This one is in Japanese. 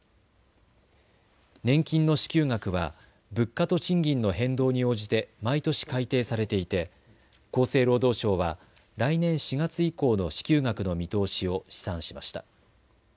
年金の支給額は物価と賃金の変動に応じて毎年改定されていて厚生労働省は来年４月以降の支給額の見通しを試算しました。